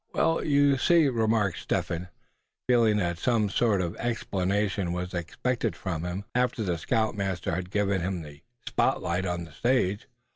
"Well, you see," remarked Step Hen, feeling that some sort of explanation was expected from him, after the scoutmaster had given him the "spot light" on the stage.